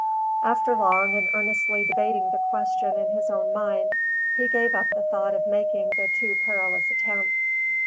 After long and earnestly debating the question in his own mind he gave up the thought of making the too perilous attempt.